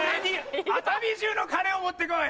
熱海じゅうの金を持ってこい！